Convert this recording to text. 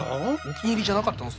お気に入りじゃなかったの？